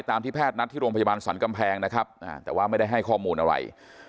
ที่แพทย์นัดที่โรงพยาบาลสรรกำแพงนะครับแต่ว่าไม่ได้ให้ข้อมูลอะไร